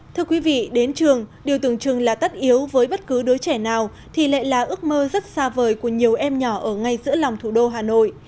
thưa quý vị đến trường điều tưởng chừng là tất yếu với bất cứ đứa trẻ nào thì lại là ước mơ rất xa vời của nhiều em nhỏ ở ngay giữa lòng thủ đô hà nội